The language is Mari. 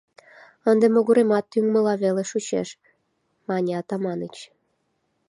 Ынде могыремат тӱҥмыла веле чучеш, — мане Атаманыч.